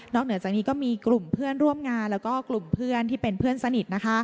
เหนือจากนี้ก็มีกลุ่มเพื่อนร่วมงานแล้วก็กลุ่มเพื่อนที่เป็นเพื่อนสนิท